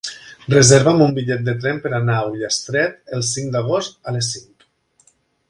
Reserva'm un bitllet de tren per anar a Ullastret el cinc d'agost a les cinc.